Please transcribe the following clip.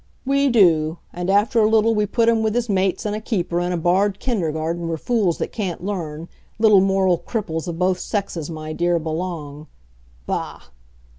We do, and after a little we put him with his mates and a keeper in a barred kindergarten where fools that can't learn, little moral cripples of both sexes, my dear, belong. Bah!"